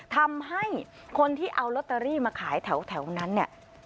ทำให้คนที่เอานนตรีแถวนั้นเนี่ย